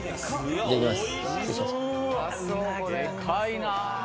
いただきます。